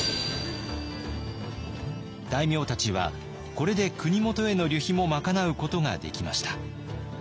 大名たちはこれで国元への旅費も賄うことができました。